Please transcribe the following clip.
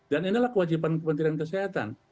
dan inilah kewajiban kementerian kesehatan